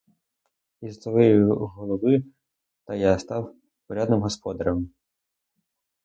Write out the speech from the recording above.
Із-за твоєї голови та я став порядним господарем.